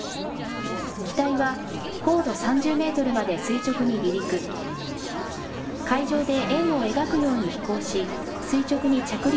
機体は高度３０メートルまで垂直に離陸。